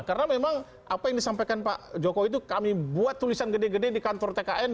karena memang apa yang disampaikan pak joko itu kami buat tulisan gede gede di kantor tkn